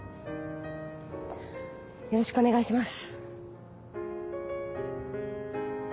よろしくお願いします。